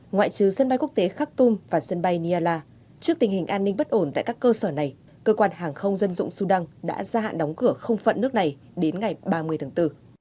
ngoại trừ sân bay quốc tế khak tum và sân bay niala trước tình hình an ninh bất ổn tại các cơ sở này cơ quan hàng không dân dụng sudan đã gia hạn đóng cửa không phận nước này đến ngày ba mươi tháng bốn